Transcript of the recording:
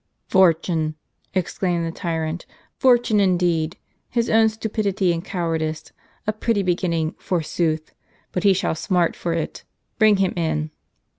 "Fortune!'" exclaimed the tyrant ;" fortune indeed ! His own stupidity and cowardice : a pretty beginning, forsooth ; but he shall smart for it. Bring him in."